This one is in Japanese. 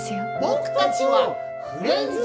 僕たちはフレンズ。